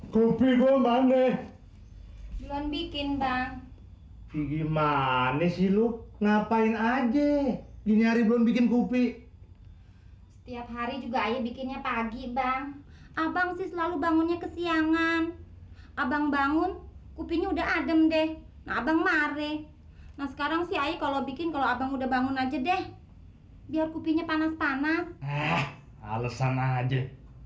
kopi gua mane belum bikin bang gimana siluk ngapain aja nyari belum bikin kupi setiap hari juga ya bikinnya pagi bang abang selalu bangunnya kesiangan abang bangun kupinya udah adem deh abang mare nah sekarang si ayo kalau bikin kalau abang udah bangun aja deh biar kupinya panas panas alesan aja